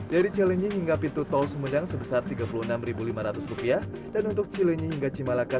dari cilenyi hingga pintu tol sumedang sebesar rp tiga puluh enam lima ratus rupiah dan untuk cilenyi hingga cimalaka